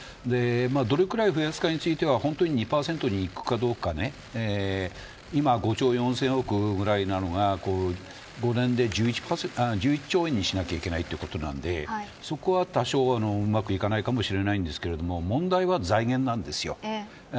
どれぐらい増やすかについては２％にいくかどうか今５兆４０００億ぐらいなのが５年で１１兆円にしなくてはいけないということなのでそこは多少うまくいかないかもしれませんが問題は財源です。